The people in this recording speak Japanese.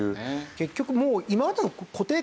結局もう。